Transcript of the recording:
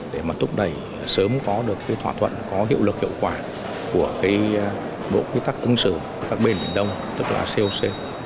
và thúc đẩy sớm có được cái thỏa thuận có hiệu lực hiệu quả của cái bộ quy tắc ứng xử các bên biển đông tức là coc